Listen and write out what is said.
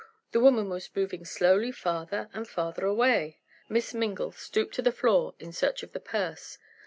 The woman was moving slowly farther and farther away. Miss Mingle stooped to the floor in search of the purse.